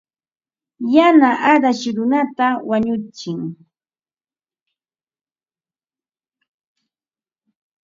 Yana arash runata wañutsin.